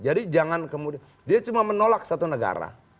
jadi jangan kemudian dia cuma menolak satu negara